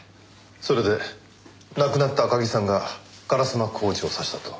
それで亡くなった赤城さんが烏丸晃司を刺したと。